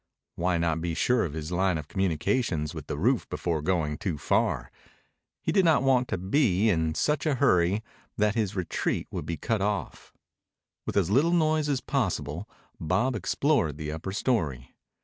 Why not be sure of his line of communications with the roof before going too far? He did not want to be in such a hurry that his retreat would be cut off. With as little noise as possible Bob explored the upper story.